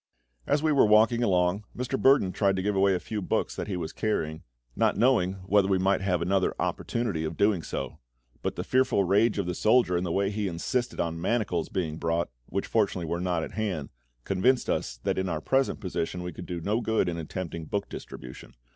As we were walking along Mr. Burdon tried to give away a few books that he was carrying, not knowing whether we might have another opportunity of doing so; but the fearful rage of the soldier, and the way he insisted on manacles being brought, which fortunately were not at hand, convinced us that in our present position we could do no good in attempting book distribution.